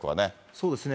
そうですね。